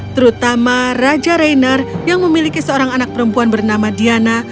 terutama raja rainer yang memiliki seorang anak perempuan bernama diana